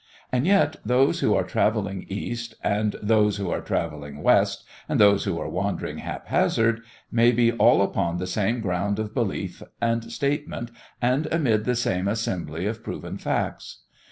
And yet those who are travelling east, and those who are travelling west, and those who are wandering haphazard, may be all upon the same ground of belief and statement and amid the same assembly of proven facts.